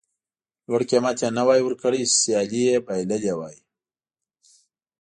لوړ قېمت یې نه وای ورکړی سیالي یې بایللې وای.